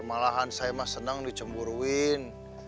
malahan saya mah senang dicemburuin